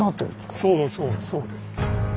そうそうそうです。